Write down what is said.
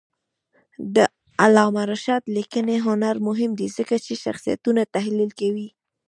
د علامه رشاد لیکنی هنر مهم دی ځکه چې شخصیتونه تحلیل کوي.